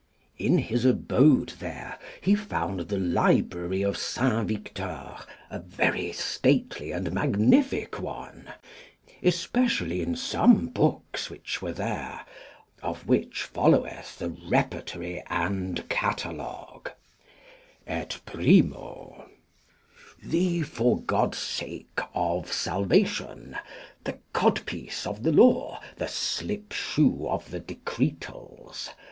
In his abode there he found the library of St. Victor a very stately and magnific one, especially in some books which were there, of which followeth the Repertory and Catalogue, Et primo, The for Godsake of Salvation. The Codpiece of the Law. The Slipshoe of the Decretals.